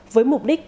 với mục đích